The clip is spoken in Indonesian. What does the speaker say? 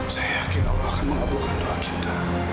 saya yakin allah akan mengabulkan doa kita